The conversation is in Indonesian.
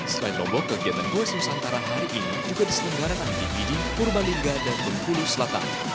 selain lombok kegiatan goes nusantara hari ini juga diselenggarakan di biji purbalingga dan bengkulu selatan